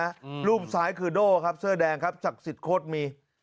อืมรูปซ้ายคือโด่ครับเสื้อแดงครับศักดิ์สิทธิโคตรมี